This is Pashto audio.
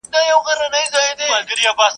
مساپري بده بلا ده.